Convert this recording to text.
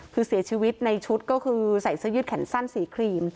คือเสียชีวิตในชุดก็คือใส่เสื้อยืดแขนสั้นสีครีม